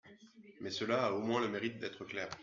Mais cela a au moins le mérite d’être clair.